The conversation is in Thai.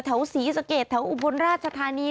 ศรีสะเกดแถวอุบลราชธานี